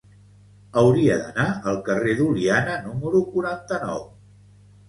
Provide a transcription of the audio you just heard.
Hauria d'anar al carrer d'Oliana número quaranta-nou.